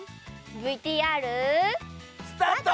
ＶＴＲ。スタート！